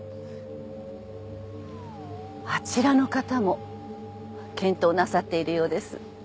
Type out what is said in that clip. あちらの方も検討なさっているようです。